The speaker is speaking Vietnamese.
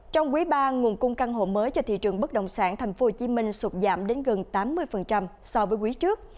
trong quý ba nguồn cung căn hộ mới cho thị trường bất động sản tp hcm sụt giảm đến gần tám mươi so với quý trước